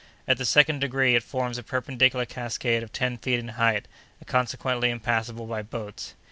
At the second degree it forms a perpendicular cascade of ten feet in height, and consequently impassable by boats.